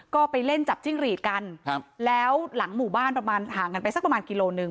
ก็ไปเล่นจับจิ้งหรีดกันครับแล้วหลังหมู่บ้านประมาณห่างกันไปสักประมาณกิโลหนึ่ง